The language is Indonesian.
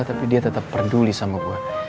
tapi dia tetap peduli sama gue